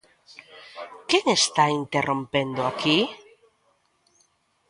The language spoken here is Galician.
¿Quen está interrompendo aquí?